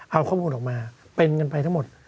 เอาข้อมูลออกมาเป็นกันไปทั้งหมด